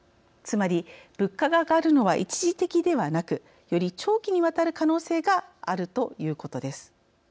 つまり物価が上がるのは一時的ではなくより長期にわたる可能性があるということです。